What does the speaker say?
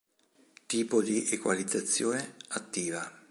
Tipo di equalizzazione: attiva.